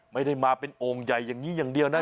ไม่ได้มาเป็นโอ่งใหญ่อย่างนี้อย่างเดียวนะ